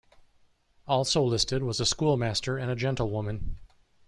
Also listed was a schoolmaster and a gentlewoman.